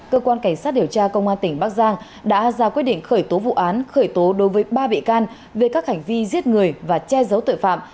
cơ quan cảnh sát điều tra công an tỉnh bắc giang đã ra quyết định khởi tố vụ án khởi tố đối với ba bị can về các hành vi giết người và che giấu tội phạm